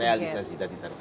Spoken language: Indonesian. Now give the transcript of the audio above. realisasi dari target